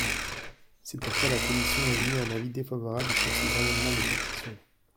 C’est pourquoi la commission a émis un avis défavorable sur ces amendements de suppression.